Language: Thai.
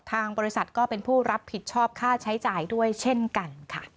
ทางบริษัทก็เป็นผู้รับผิดชอบค่าใช้จ่ายด้วยเช่นกันค่ะ